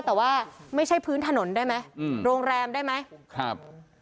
แต่ว่าไม่ใช่พื้นถนนได้ไหมอืมโรงแรมได้ไหมครับ